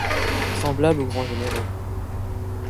Semblable aux grands généraux